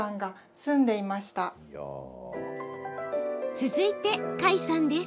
続いて、花衣さんです。